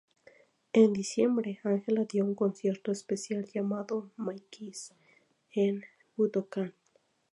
En diciembre, Angela dio un concierto especial, llamado My Keys, en Budokan.